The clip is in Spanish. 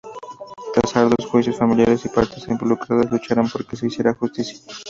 Tras arduos juicios, familiares y partes involucradas lucharon porque se hiciera justicia.